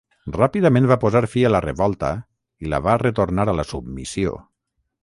Ràpidament va posar fi a la revolta i la va retornar a la submissió.